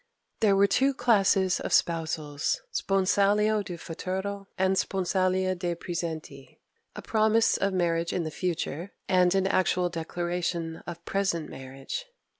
There were two classes of spousals sponsalia de futuro and sponsalia de praesenti: a promise of marriage in the future, and an actual declaration of present marriage.